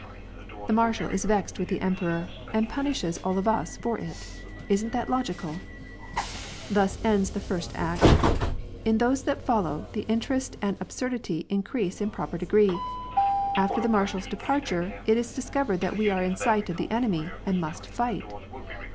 *' The marshal is vexed with the emperor, and punishes ail of us for IL Isn't that logical ? Thus ends the first act. In those that follow, the interest and the absurdity increase in proper degree. After the marshal's departure, It is discovered that we are in sight of the enemy, and must fight.